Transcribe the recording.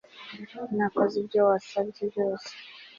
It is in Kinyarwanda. Nakoze ibyo wasabye byose